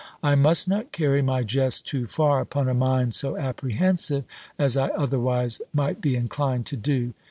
"I must not carry my jest too far upon a mind so apprehensive, as I otherwise might be inclined to do."